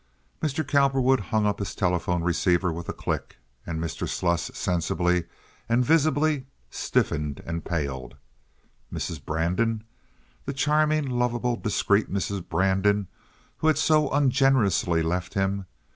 Mr. Cowperwood hung up his telephone receiver with a click, and Mr. Sluss sensibly and visibly stiffened and paled. Mrs. Brandon! The charming, lovable, discreet Mrs. Brandon who had so ungenerously left him!